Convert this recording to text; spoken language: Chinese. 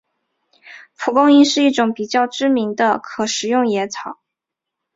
蒲公英是一种比较知名的可食用野草。